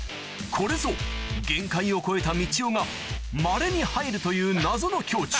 これぞ限界を超えたみちおがまれに入るという謎の境地